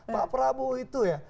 pak prabowo itu ya